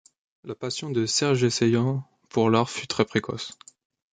La passion de Serge Essaian pour l’art fut très précoce.